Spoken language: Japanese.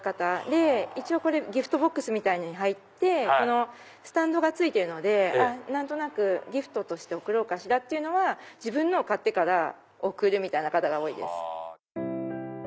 これギフトボックスに入ってスタンドが付いてるので何となくギフトとして贈ろうかしら？っていうのは自分のを買ってから贈るみたいな方が多いです。